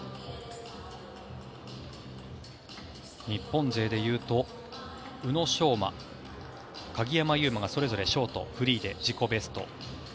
日本勢で言うと宇野昌磨、鍵山優真がそれぞれショート、フリーで自己ベスト。